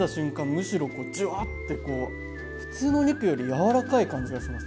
むしろジュワッてこう普通のお肉よりやわらかい感じがします